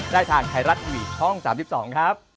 ได้ทางไทรัตวิทย์ช่อง๓๒ครับ